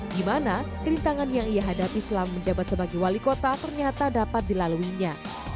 di mana rintangan yang ia hadapi selama menjabat sebagai wali kota ternyata dapat dilaluinya